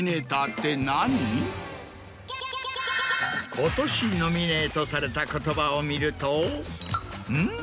今年ノミネートされた言葉を見るとん？